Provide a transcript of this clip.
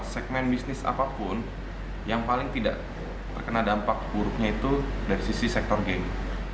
segmen bisnis apapun yang paling tidak terkena dampak buruknya itu dari sisi sektor game